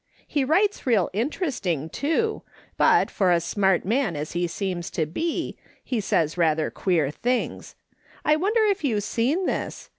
He writes real interesting, too, but for a smart man as he seems to be, he says rather queer things. I wonder if you've seen this